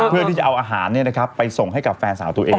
เพื่อที่จะเอาอาหารไปส่งให้กับแฟนสาวตัวเอง